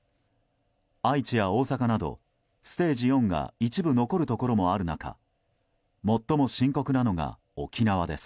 愛知や大阪などステージ４が一部残るところもある中最も深刻なのが沖縄です。